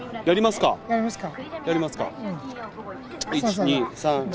やりますかうん。